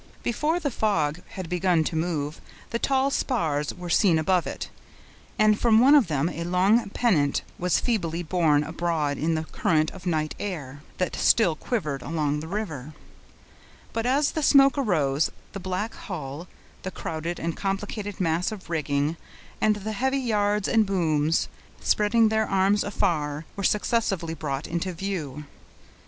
Before the fog had begun to move, the tall spars were seen above it, and from one of them a long pennant was feebly borne abroad in the current of night air, that still quivered along the river; but as the smoke arose, the black hull, the crowded and complicated mass of rigging, and the heavy yards and booms, spreading their arms afar, were successively brought into view.